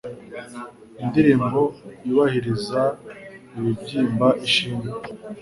Indirimbo yubahiriza ibibyimba ishimwe.